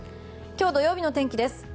今日土曜日の天気です。